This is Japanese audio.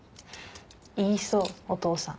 言いそうお父さん。